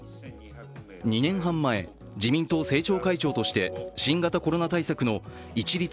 ２年半前、自民党政調会長として新型コロナ対策の一律